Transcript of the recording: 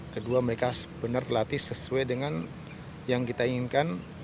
kedua mereka benar dilatih sesuai dengan yang kita inginkan